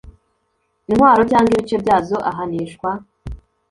intwaro cyangwa ibice byazo ahanishwa